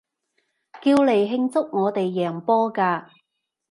叫嚟慶祝我哋贏波嘅